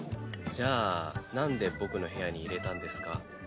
じゃあなんで僕の部屋に入れたんですか？